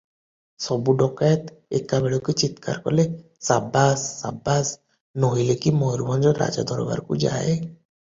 ସବୁ ଡକାଏତ ଏକାବେଳକେ ଚିତ୍କାର କଲେ, "ସାବାସ ସାବାସ, ନୋହିଲେ କି ମୟୂରଭଞ୍ଜ ରାଜା ଦରବାରକୁ ଯାଏ ।"